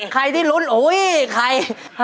ใครที่รุ่นโอ้โฮใคร